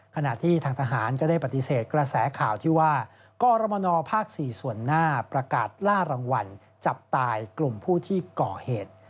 ขณะที่ทางทหารก็ได้ปฏิเสธกระแสข่าวที่ว่ากรมนภาค๔ส่วนหน้าประกาศล่ารางวัลจับตายกลุ่มผู้ที่ก่อเหตุ